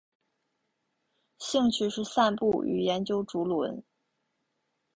兴趣是散步与研究竹轮。